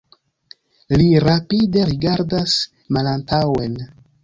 Li rapide rigardas malantaŭen.